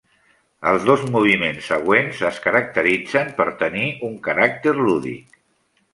Els dos moviments següents es caracteritzen per tenir un caràcter lúdic.